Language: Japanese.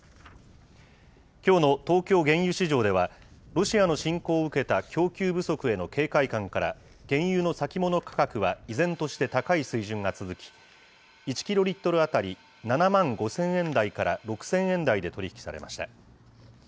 きょうの東京原油市場では、ロシアの侵攻を受けた供給不足への警戒感から、原油の先物価格は依然として高い水準が続き、１キロリットル当たり７万５０００円台から６０００円台で取り引きされました。